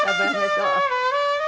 そう。